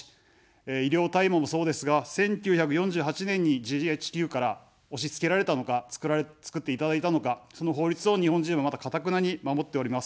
医療大麻もそうですが、１９４８年にＧＨＱから押しつけられたのか、作っていただいたのか、その法律を日本人は、まだかたくなに守っております。